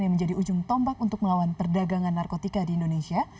yang menjadi ujung tombak untuk melawan perdagangan narkotika di indonesia